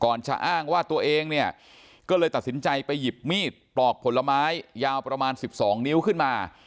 จะอ้างว่าตัวเองเนี่ยก็เลยตัดสินใจไปหยิบมีดปลอกผลไม้ยาวประมาณ๑๒นิ้วขึ้นมา